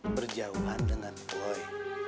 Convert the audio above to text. berjauhan dengan boy